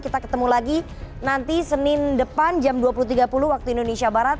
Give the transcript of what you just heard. kita ketemu lagi nanti senin depan jam dua puluh tiga puluh waktu indonesia barat